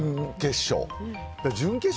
準決勝。